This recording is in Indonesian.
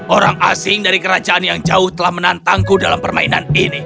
orang asing dari kerajaan yang jauh telah menantangku dalam permainan ini